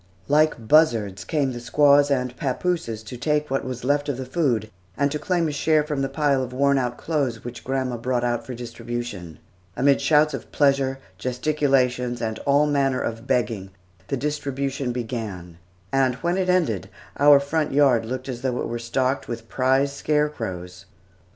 Like buzzards came the squaws and papooses to take what was left of the food, and to claim a share from the pile of worn out clothes which grandma brought out for distribution. Amid shouts of pleasure, gesticulations, and all manner of begging, the distribution began, and when it ended, our front yard looked as though it were stocked with prize scarecrows.